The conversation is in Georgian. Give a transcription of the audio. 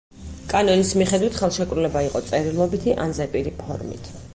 კანონის მიხედვით, ხელშეკრულება იყო წერილობითი ან ზეპირი ფორმით.